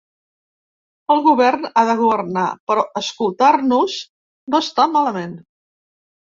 El govern ha de governar, però escoltar-nos no està malament.